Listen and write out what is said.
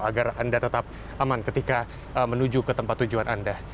agar anda tetap aman ketika menuju ke tempat tujuan anda